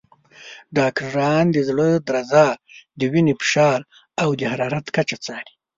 ډاکټران د زړه درزا، د وینې فشار، او د حرارت کچه څاري.